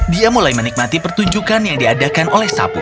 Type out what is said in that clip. dia mulai menikmati pertunjukan yang diadakan oleh sapu